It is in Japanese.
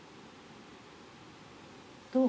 どう？